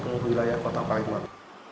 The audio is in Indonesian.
ke wilayah kota palembang